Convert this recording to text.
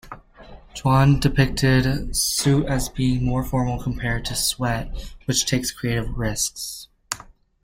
Juon depicted "Suit" as being more formal compared to "Sweat" which takes creative risks.